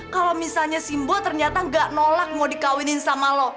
kalau misalnya simbo ternyata gak nolak mau dikawinin sama lo